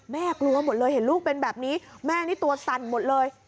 กลัวหมดเลยเห็นลูกเป็นแบบนี้แม่นี่ตัวสั่นหมดเลย